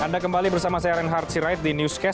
anda kembali bersama saya reinhard sirait di newscast